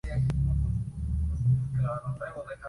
Murió en el Hospital Beth Israel en Manhattan.